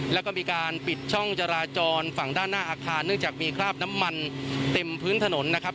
แล้วก็มีการปิดช่องจราจรฝั่งด้านหน้าอาคารเนื่องจากมีคราบน้ำมันเต็มพื้นถนนนะครับ